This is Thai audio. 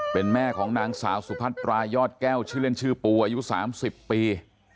เป็นแม่ของนางสาวสุพัตรายอดแก้วชื่อเล่นชื่อปูอายุ๓๐ปี